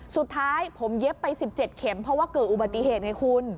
สุดท้ายผมเย็บไป๑๗เข็มเพราะว่าเกิดอุบัติเหตุไงคุณ